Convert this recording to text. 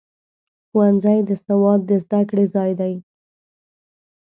ښوونځی د سواد د زده کړې ځای دی.